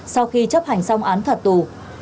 sau khi chấp hành xong án phạt tù